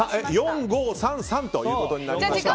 ４、５、３、３ということになりました。